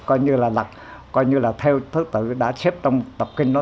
coi như là theo thức tử đã xếp trong tập kinh đó